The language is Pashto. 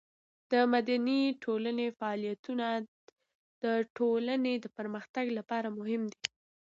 د مدني ټولنې فعالیتونه د ټولنې د پرمختګ لپاره مهم دي.